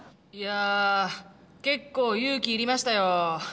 いや結構勇気要りましたよ。